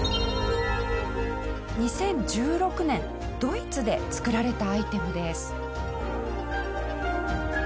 ２０１６年ドイツで作られたアイテムです。